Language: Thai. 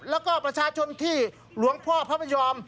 แล้วก็ประชาชนที่หลวงพ่อพระพยอม